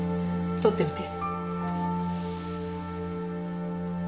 取ってみて。